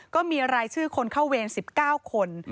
ก็มีรายชื่อคนเข้าเวร๑๙คน